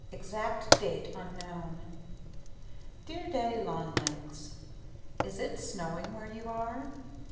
Exact date unknown Dear Daddy Long Legs, Is it snowing where you are?